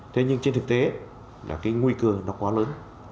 thế nhưng trên thực tế là cái nguy cơ nó quá lớn